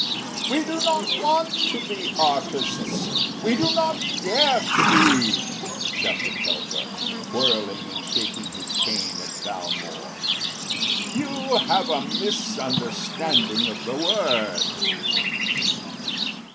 ” “We do not want to be artists we do not dare to be,” shouted Telfer, whirling and shaking his cane at Valmore. “You have a misunderstanding of the word.